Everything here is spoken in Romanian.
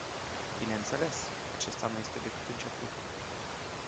Bineînțeles, acesta nu este decât începutul.